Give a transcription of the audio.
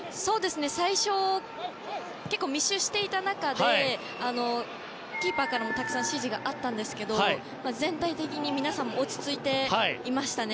最初、密集していた中でキーパーからもたくさん指示があったと思うんですけど全体的に皆さん落ち着いていましたね。